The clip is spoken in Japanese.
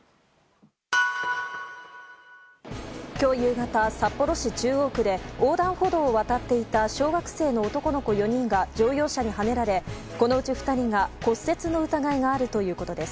今日夕方、札幌市中央区で横断歩道を渡っていた小学生の男の子４人が乗用車にはねられこのうち２人が骨折の疑いがあるということです。